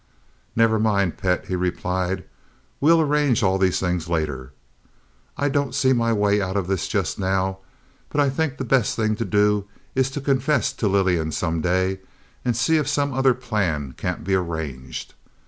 "Never mind, pet," he replied. "We will arrange all these things later. I don't see my way out of this just now; but I think the best thing to do is to confess to Lillian some day, and see if some other plan can't be arranged.